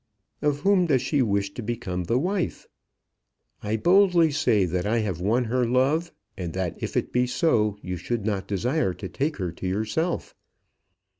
Of whom does she wish to become the wife? I boldly say that I have won her love, and that if it be so, you should not desire to take her to yourself.